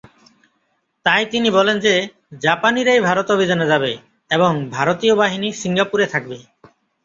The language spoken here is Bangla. তাই তিনি বলেন যে, জাপানিরাই ভারত অভিযানে যাবে এবং ভারতীয় বাহিনী সিঙ্গাপুরে থাকবে।